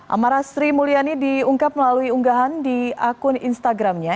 amara sri mulyani diungkap melalui unggahan di akun instagramnya